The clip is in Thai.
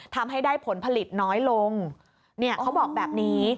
ทำให้ได้ผลผลิตน้อยลงเนี่ยเขาบอกแบบนี้